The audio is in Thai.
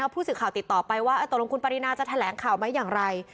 ผู้สื่อข่าวติดต่อไปว่าตกลงคุณปรินาจะแถลงข่าวไหมอย่างไร